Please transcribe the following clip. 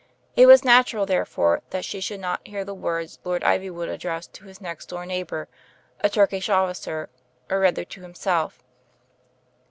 It was natural, therefore, that she should not hear the words Lord Ivywood addressed to his next door neighbour, a Turk ish officer, or rather to himself.